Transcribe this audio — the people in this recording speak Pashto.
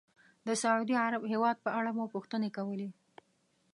د سعودي عرب هېواد په اړه مو پوښتنې کولې.